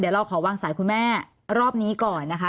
เดี๋ยวเราขอวางสายคุณแม่รอบนี้ก่อนนะคะ